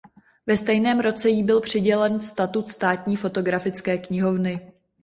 Ve stejném roce jí byl přidělen statut státní fotografické knihovny.